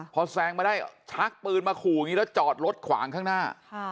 พอแซงมาได้ชักปืนมาขู่อย่างนี้แล้วจอดรถขวางข้างหน้า